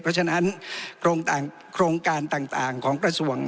เพราะฉะนั้นโครงการต่างของกระทรวง